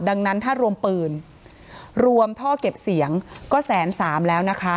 ดังนั้นถ้ารวมปืนรวมท่อเก็บเสียงก็แสนสามแล้วนะคะ